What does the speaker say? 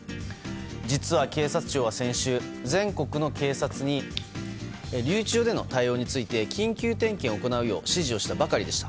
実は、警察庁は先週全国の警察に留置場での対応について緊急点検を行うよう指示をしたばかりでした。